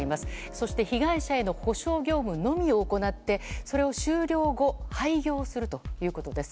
そして被害者への補償業務のみを行ってそれを終了後廃業するということです。